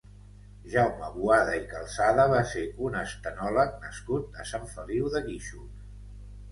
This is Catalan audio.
Jaume Boada i Calçada va ser un «Estenòleg» nascut a Sant Feliu de Guíxols.